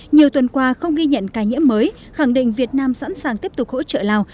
nhiều tuần qua không ghi nhận ca nhiễm mới khẳng định việt nam sẵn sàng tiếp tục hỗ trợ lào